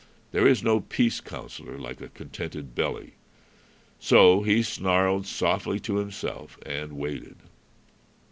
There is no peace counsellor like a contented belly. So he snarled softly to himself and waited.